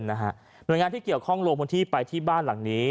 หน่วยงานที่เกี่ยวข้องลงพื้นที่ไปที่บ้านหลังนี้